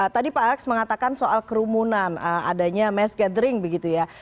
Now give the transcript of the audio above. tadi pak alex mengatakan soal kerumunan adanya mass gathering begitu ya